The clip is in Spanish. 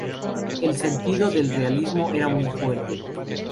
El sentido del realismo era muy fuerte.